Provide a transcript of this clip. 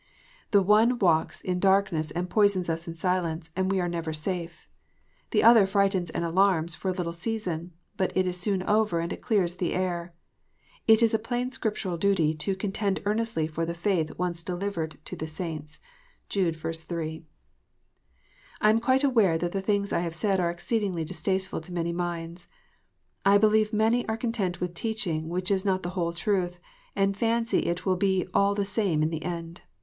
The one walks in darkness and poisons us in silence, and we are never safe. The other frightens and alarms for a little season. But it is soon over, and it clears the air. It is a plain Scriptural duty to " contend earnestly for the faith once delivered to the saints." (Jude 3.) I am quite aware that the things I have said are exceedingly distasteful to many minds. I believe many are content with teaching which is not the whole truth, and fancy it will be "all the same " in the end.